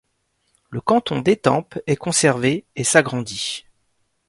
Le canton d'Étampes est conservé et s'agrandit.